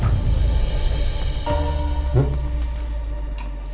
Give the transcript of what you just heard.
aku mau ke rumah